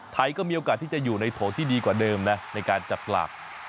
ไทยก็มีโอกาสที่จะอยู่ในโถที่ดีกว่าเดิมนะในการจับสลาก